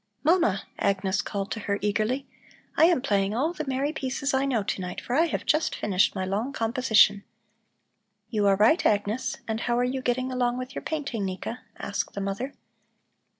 "Mama," Agnes called to her eagerly, "I am playing all the merry pieces I know to night, for I have just finished my long composition." "You are right, Agnes. And how are you getting along with your painting, Nika?" asked the mother.